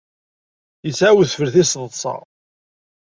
Yesɛa udfel tiseḍsa.